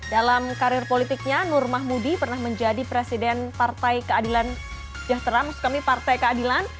dalam karir politiknya nur mahmudi pernah menjadi presiden partai keadilan sejahtera maksud kami partai keadilan